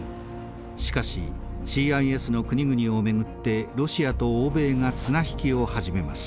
しかしＣＩＳの国々を巡ってロシアと欧米が綱引きを始めます。